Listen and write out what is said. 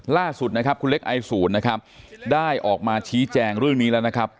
ล่าสุดคุณเล็กไอศูนย์ได้ออกมาชี้แจงเรื่องนี้แล้ว